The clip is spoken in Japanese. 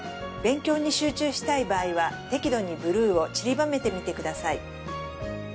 勉強に集中したい場合は適度にブルーをちりばめてみてください。